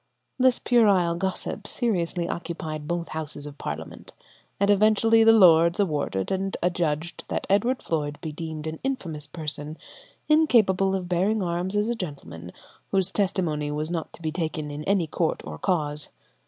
This puerile gossip seriously occupied both houses of Parliament, and eventually the Lords awarded and adjudged that Edward Floyde be deemed an infamous person, incapable of bearing arms as a gentleman, whose testimony was not to be taken in any court or cause.